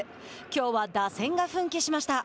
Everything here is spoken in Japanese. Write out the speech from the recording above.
きょうは打線が奮起しました。